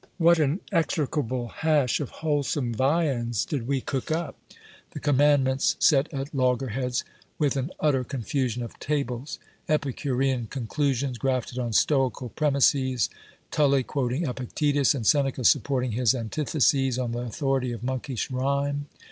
What an execrable hash of wholesome viands did we cook up ! The commandments s it at loggerheads with an utter confusion of tables ; Epicurean conclusions grafted on stoical premises! Tully quoting Epictetus, and Seneca supporting his antitheses on the authority of monkish rhyme